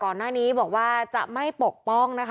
ก่อนหน้านี้บอกว่าจะไม่ปกป้องนะคะ